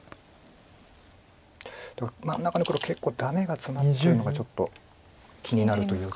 真ん中の黒結構ダメがツマってるのがちょっと気になるというか。